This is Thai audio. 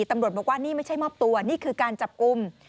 ตำรวจบอกว่านี่ไม่ใช่มอบตัวนี่คือการจับกลุ่ม